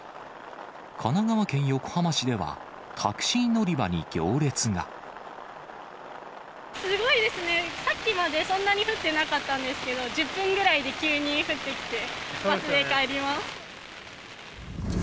神奈川県横浜市では、すごいですね、さっきまでそんなに降ってなかったんですけど、１０分ぐらいで、急に降ってきて。